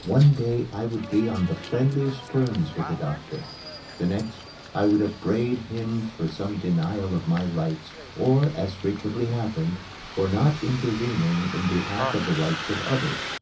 One day I would be on the friendliest terms with the doctor, the next I would upbraid him for some denial of my rights or, as frequently happened, for not intervening in behalf of the rights of others.